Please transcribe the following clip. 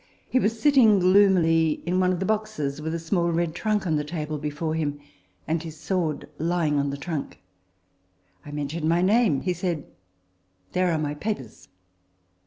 He was sitting gloomily in one of the boxes, with a small red trunk on the table before him, and his sword lying on the trunk. I mentioned my name. He said, " There are my papers.